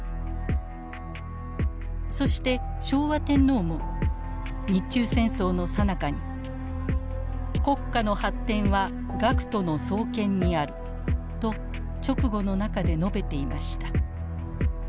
そして昭和天皇も日中戦争のさなかに国家の発展は学徒の双肩にあると勅語の中で述べていました。